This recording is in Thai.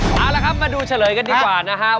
เอาละครับมาดูเฉลยกันดีกว่านะครับ